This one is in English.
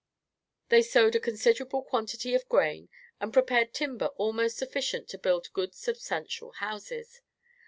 They sowed a considerable quantity of grain, and prepared timber almost sufficient to build good substantial houses.